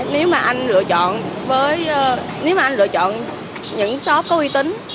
nếu mà anh lựa chọn những shop có uy tín